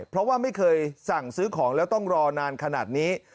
เพราะว่าไม่เคยสั่งซื้อของแล้วต้องรอนานขนาดนี้